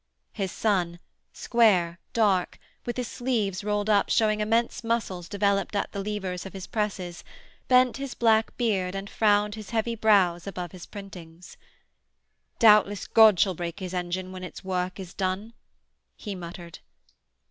His son, square, dark, with his sleeves rolled up showing immense muscles developed at the levers of his presses, bent his black beard and frowned his heavy brows above his printings. 'Doubtless God shall break His engine when its work is done,' he muttered.